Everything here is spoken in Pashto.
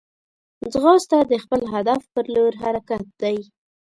ځغاسته د خپل هدف پر لور حرکت دی